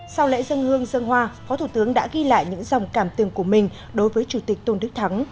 sau lễ dân hương dân hoa phó thủ tướng đã ghi lại những dòng cảm tương của mình đối với chủ tịch tôn đức thắng